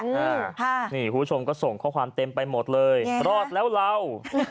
คุณผู้ชมก็ส่งข้อความเต็มไปหมดเลยรอดแล้วเรา